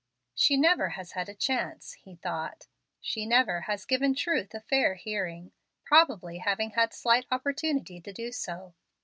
"She never has had a chance," he thought. "She never has given truth a fair hearing, probably having had slight opportunity to do so.